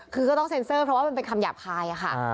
คือก็ต้องเซ็นเซอร์เพราะว่ามันเป็นคำหยาบคายค่ะ